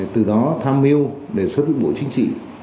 từ đó tham miu đề xuất bộ chính trị